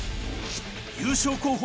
優勝候補